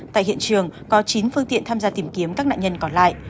tại hiện trường có chín phương tiện tham gia tìm kiếm các nạn nhân còn lại